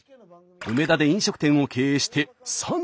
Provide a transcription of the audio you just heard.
梅田で飲食店を経営して３５年になります。